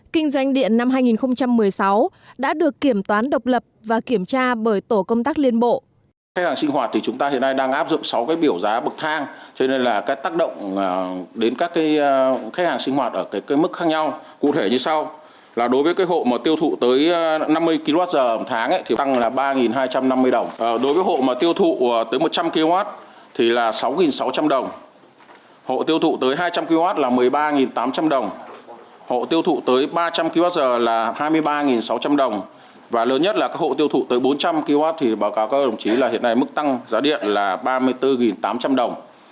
kinh doanh điện năm hai nghìn một mươi sáu đã được kiểm toán độc lập và kiểm tra bởi tổ công tác liên bộ